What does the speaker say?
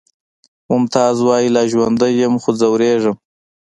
ممتاز وایی لا ژوندی یم خو ځورېږم